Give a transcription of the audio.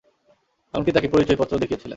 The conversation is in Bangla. এমনকি তাকে পরিচয়পত্রও দেখিয়েছিলাম।